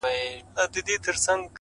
جادوگري جادوگر دي اموخته کړم؛